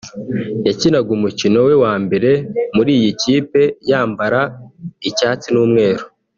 yakinaga umukino we wa mbere muri iyi kipe yambara icyatsi n’umweru